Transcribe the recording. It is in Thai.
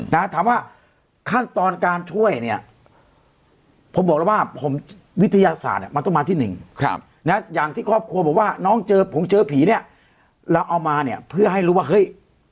ผมบอกแล้วว่าผมวิทยาศาสตร์มันต้องมาที่หนึ่งครับเนี่ยอย่างที่ครอบครัวบอกว่าน้องเจอผมเจอผีเนี่ยเราเอามาเนี่ยเพื่อให้รู้ว่าเฮ้ย